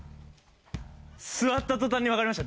座った途端にわかりました。